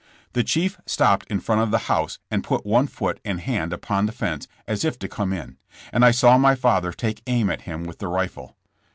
The chief stopped in front of the house and put one foot and hand upon the fence as if to come in, and I saw my father take aim at him with the rifle.